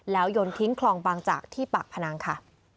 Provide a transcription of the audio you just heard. แล้วยนทิ้งคลองบางจากที่ปากพนังค่ะ